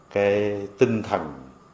cái tinh thần